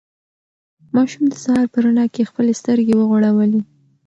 ماشوم د سهار په رڼا کې خپلې سترګې وغړولې.